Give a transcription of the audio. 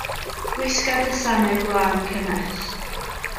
Gwisga dy sanau gwlân cynnes.